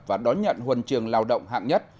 và đón nhận huần trường lao động hạng nhất